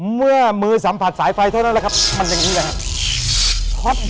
เมื่อมือสัมผัสสายไฟเท่านั้นแหละครับมันอย่างนี้แหละครับ